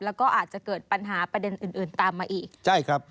แล้วก็อาจจะเกิดปัญหาประเด็นอื่นตามมาอีก